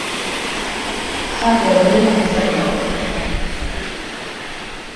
ถ้าเดินเรื่องสะดวก